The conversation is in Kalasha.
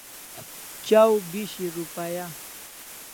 Chaw bishi rupaya